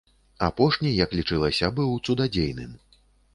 Апошні, як лічылася, быў цудадзейным.